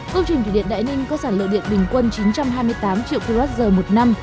công trình thủy điện đại ninh có sản lượng điện bình quân chín trăm hai mươi tám triệu kwh một năm